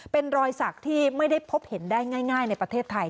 เป็นรอยสักที่ไม่ได้พบเห็นได้ง่ายในประเทศไทย